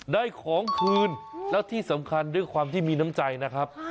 ได้ของคืนแล้วที่สำคัญด้วยความที่มีน้ำใจนะครับ